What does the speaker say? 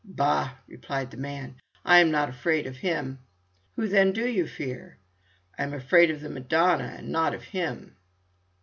"Bah!" replied the man, "I am not afraid of Him." "Who, then, do you fear?" "I'm afraid of the Madonna, and not of Him."